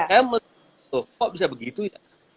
saya melihat kok bisa begitu ya